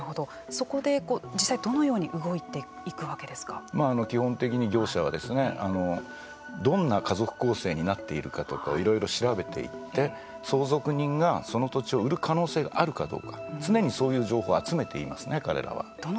そこで実際にどのように基本的に業者はどんな家族構成になっているかとかいろいろ調べていって相続人がその土地を売る可能性があるかどうか常にそういう情報を集めていますね、彼らは。